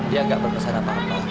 dia nggak berpesan apa apa